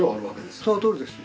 そのとおりですよ